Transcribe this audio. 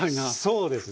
そうですね。